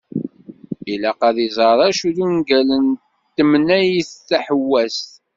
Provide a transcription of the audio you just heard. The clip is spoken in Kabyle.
Ilaq ad iẓer acu d ungalen n « temneyt taḥewwast ».